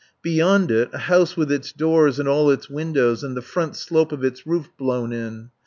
Beyond it, a house with its door and all its windows and the front slope of its roof blown in.